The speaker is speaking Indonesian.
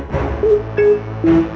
ya sudah lah